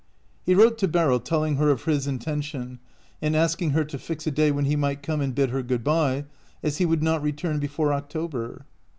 He wrote to Beryl telling her of his intention, and asking her to fix a day when he might come and bid her good by, as he would not return before October.